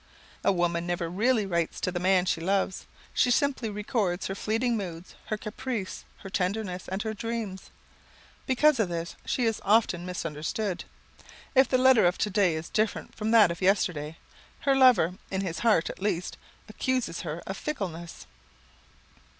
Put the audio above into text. A woman never really writes to the man she loves. She simply records her fleeting moods her caprice, her tenderness, and her dreams. Because of this, she is often misunderstood. If the letter of to day is different from that of yesterday, her lover, in his heart at least, accuses her of fickleness.